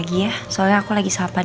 ibu ada tulisan